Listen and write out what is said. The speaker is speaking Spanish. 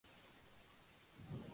Eva Hernández.